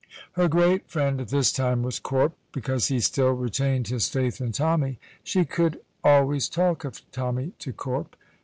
Her great friend at this time was Corp; because he still retained his faith in Tommy. She could always talk of Tommy to Corp.